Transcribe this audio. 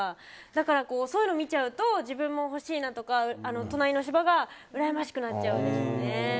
だから、そういうのを見ちゃうと自分も欲しいなとか隣の芝がうらやましくなっちゃうんですよね。